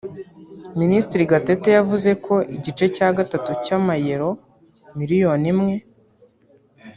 Ministiri Gatete yavuze ko igice cya gatatu cy’amayero miliyoni imwe